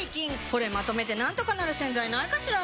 これまとめてなんとかなる洗剤ないかしら？